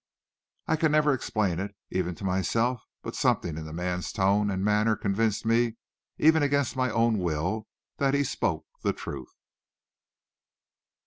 I can never explain it, even to myself, but something in the man's tone and manner convinced me, even against my own will, that he spoke the truth.